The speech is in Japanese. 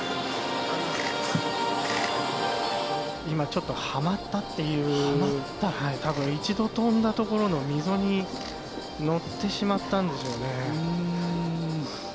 今ちょっとはまったっていう、たぶん、一度跳んだ所の溝に乗ってしまったんでしょうね。